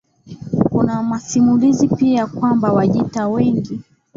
Kuna masimulizi pia kwamba Wajita wengi